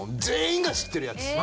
全員が知ってるやつ。